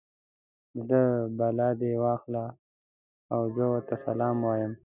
د ده بلا دې واخلي او زه ورته سلام وایم.